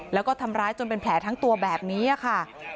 แล้วก็ทำร้ายจนเป็นแผลทั้งตัวแบบนี้ค่ะ